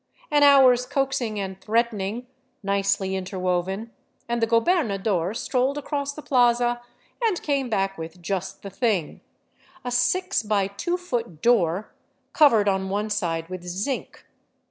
An hour's coaxing and threatening, nicely interwoven, and the gobernador strolled across the plaza and came back with just the thing, — a six by two foot door, covered on one side with zinc.